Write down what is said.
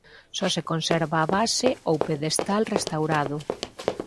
Só se conserva a base ou pedestal restaurado.